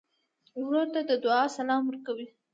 ورور ته د دعا سلام ورکوې.